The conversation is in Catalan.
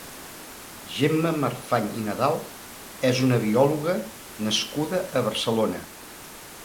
Gemma Marfany i Nadal és una biòloga nascuda a Barcelona.